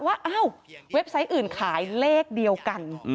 ว่าอ้าวเว็บไซต์อื่นขายเลขเดียวกัน